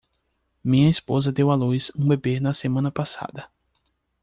Minha esposa deu à luz um bebê na semana passada.